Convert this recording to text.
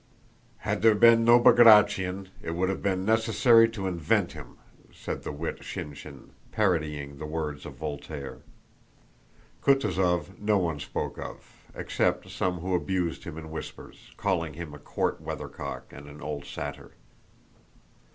"Had there been no Bagratión, it would have been necessary to invent him," said the wit Shinshín, parodying the words of Voltaire. Kutúzov no one spoke of, except some who abused him in whispers, calling him a court weathercock and an old satyr.